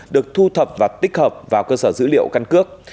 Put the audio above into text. được thu thập và tích hợp vào cơ sở dữ liệu căn cước